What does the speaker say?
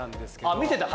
あ見てた？